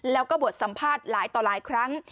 แล้วก็บทสัมภาษณ์หลายต่อหลายครั้ง